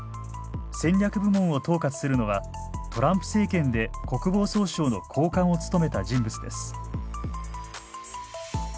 戦略部門を統括するのはトランプ政権で国防総省の高官を務めた人物です。